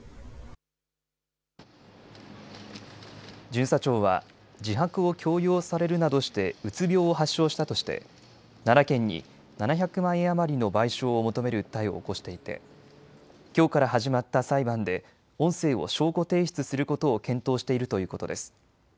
巡査長は自白を強要されるなどして、うつ病を発症したとして奈良県に７００万円余りの賠償を求める訴えを起こしていてきょうから始まった裁判で音声を証拠提出することを検討しているということです。